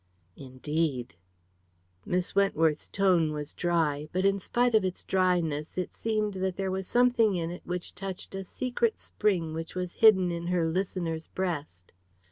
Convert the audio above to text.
"Indeed!" Miss Wentworth's tone was dry. But, in spite of its dryness, it seemed that there was something in it which touched a secret spring which was hidden in her listener's breast.